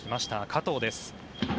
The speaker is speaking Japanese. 加藤です。